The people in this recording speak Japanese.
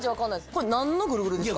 これ、なんのぐるぐるですか？